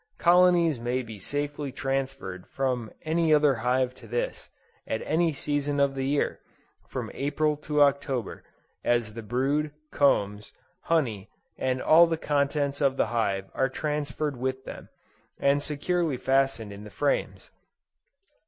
Colonies may be safely transferred from any other hive to this, at any season of the year, from April to October, as the brood, combs, honey and all the contents of the hive are transferred with them, and securely fastened in the frames.